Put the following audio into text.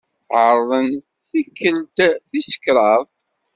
Ɛerḍen tikkelt tis kraḍt.